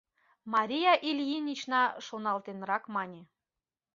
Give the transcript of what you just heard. — Мария Ильинична шоналтенрак мане.